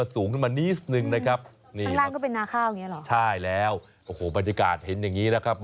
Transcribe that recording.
สูงขึ้นนี่นิดสักนิดนึงครับ